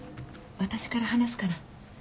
私から話すから。